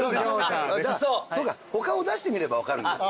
そうか他を出してみれば分かるんだ。